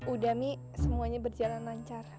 udah mi semuanya berjalan lancar